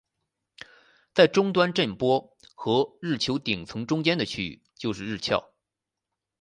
在终端震波和日球层顶中间的区域就是日鞘。